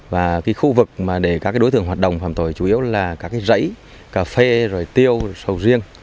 và cái khu vực mà để các đối tượng hoạt động phạm tội chủ yếu là các cái rẫy cà phê rồi tiêu sầu riêng